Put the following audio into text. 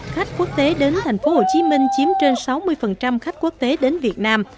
khách quốc tế đến thành phố hồ chí minh chiếm trên sáu mươi khách quốc tế đến việt nam